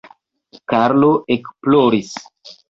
Karlo ekploris.